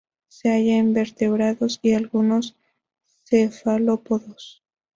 Se halla en vertebrados y algunos cefalópodos.